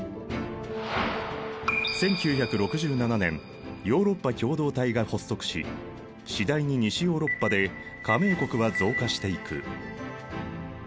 １９６７年ヨーロッパ共同体が発足し次第に西ヨーロッパで加盟国は増加していく。